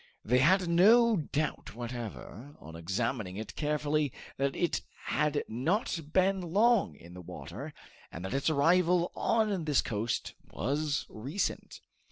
They had no doubt whatever, on examining it carefully, that it had not been long in the water, and that its arrival on this coast was recent.